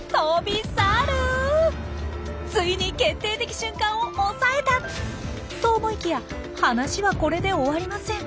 ついに決定的瞬間を押さえた！と思いきや話はこれで終わりません。